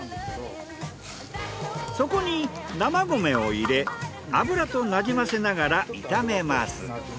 そこに生米を入れ油となじませながら炒めます。